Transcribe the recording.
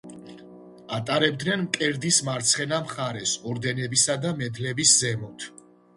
ატარებდნენ მკერდის მარცხენა მხარეს, ორდენებისა და მედლების ზემოთ.